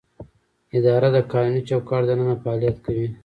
اداره د قانوني چوکاټ دننه فعالیت کوي.